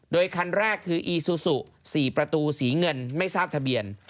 โดยคันแรกคืออีซูซู๔ประตูสีเงินไม่ทราบทะเบียน